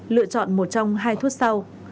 lựa chọn một trong hai thuốc sau